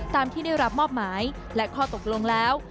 ตามที่ได้รับมอบหมายและข้อตกลงแล้ว